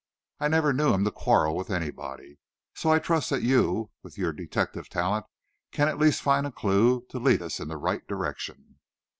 I never knew him to quarrel with anybody. So I trust that you, with your detective talent, can at least find a clue to lead us in the right direction."